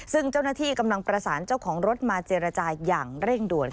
ซึ่งเจ้าหน้าที่กำลังประสานเจ้าของรถมาเจรจาอย่างเร่งด่วน